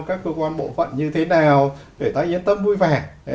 các cơ quan bộ phận như thế nào để ta yên tâm vui vẻ